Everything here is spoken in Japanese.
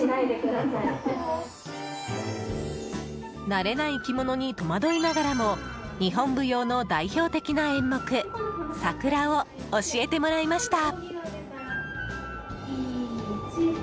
慣れない着物に戸惑いながらも日本舞踊の代表的な演目「さくら」を教えてもらいました。